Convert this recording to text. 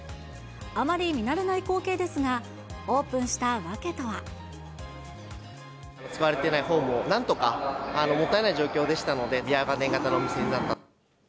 あまり見慣れない光景ですが、オープンした訳とは。使われていないホームを、なんとかもったいない状況でしたので、ビアガーデン型のお店になったと。